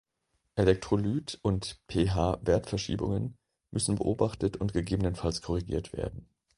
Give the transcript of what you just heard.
Elektrolyt- und pH-Wertverschiebungen müssen beobachtet und gegebenenfalls korrigiert werden.